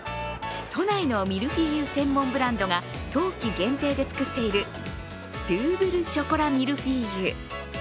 都内のミニフィーユ専門ブランドが冬季限定で作っているドゥーブル・ショコラ・ミルフィーユ。